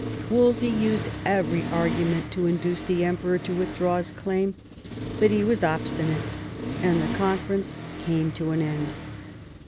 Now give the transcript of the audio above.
Wolsey used every argument to induce the Emperor to withdraw his claim; but he was obstinate, and the conference came to an end.